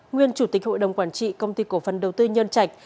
nguyên chủ tịch hội đồng quản trị công ty cổ phần đầu tư nhân trạch